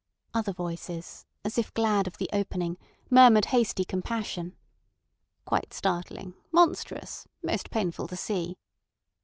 Other voices, as if glad of the opening, murmured hasty compassion. "Quite startling," "Monstrous," "Most painful to see."